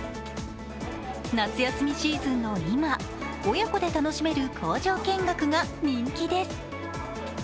夏休みシーズンの今、親子で楽しめる工場見学が人気です。